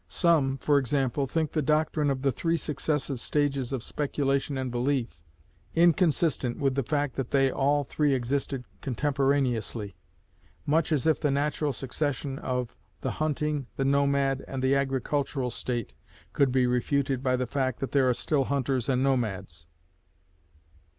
Some, for example, think the doctrine of the three successive stages of speculation and belief, inconsistent with the fact that they all three existed contemporaneously; much as if the natural succession of the hunting, the nomad, and the agricultural state could be refuted by the fact that there are still hunters and nomads.